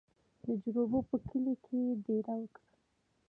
د جروبي په کلي کې یې دېره وکړه.